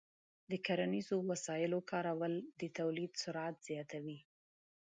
د کرنیزو وسایلو کارول د تولید سرعت زیاتوي.